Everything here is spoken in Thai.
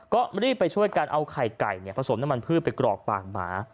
ก็รีบไปช่วยกันเอาไข่ไก่ผสมน้ำมันพืชไปกรอกปากหมา